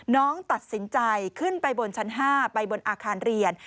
น้องตัดสินใจขึ้นไปบนชั้น๕ไปบนอาคารเรียน